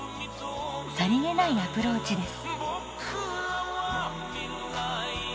さりげないアプローチです。